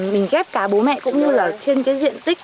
mình ghép cả bố mẹ cũng như là trên cái diện tích